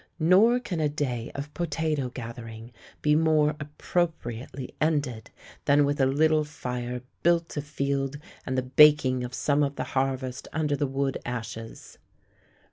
Nor can a day of potato gathering be more appropriately ended than with a little fire built afield and the baking of some of the harvest under the wood ashes.